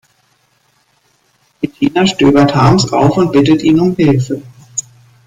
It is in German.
Bettina stöbert Harms auf und bittet ihn um Hilfe.